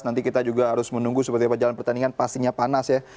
nanti kita juga harus menunggu seperti apa jalan pertandingan pastinya panas ya